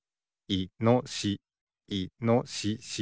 いのしし。